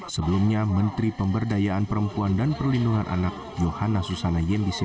sebelumnya menteri pemberdayaan perempuan dan perlindungan anak yohana susana yembisi